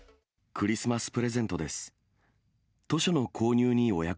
クリスマスプレゼントです。